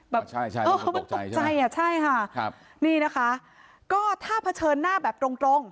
แบบใช่ใช่เขาตกใจใช่ไหมใช่ค่ะครับนี่นะคะก็ถ้าเผชิญหน้าแบบตรงตรง